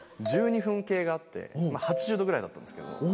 １２分計があって８０度ぐらいだったんですけど。